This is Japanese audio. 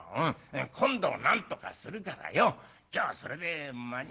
今度なんとかするからよ今日はそれで間に合わせねえな」。